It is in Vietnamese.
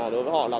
đối với họ là